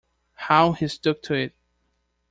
How he stuck to it!